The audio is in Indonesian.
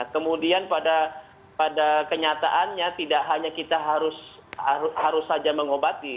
kemudian pada kenyataannya tidak hanya kita harus saja mengobati